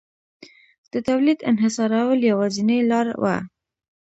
د تولید انحصارول یوازینۍ لار وه